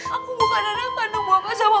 aku bukan anak kandung bapak sama emak